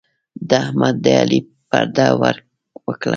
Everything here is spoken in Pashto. احمد د علي پرده ور وکړه.